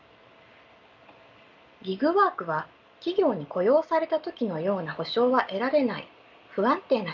ギグワークは企業に雇用された時のような保障は得られない不安定な仕事ですし